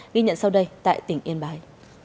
ghi nhận sau đây tại tỉnh yên bái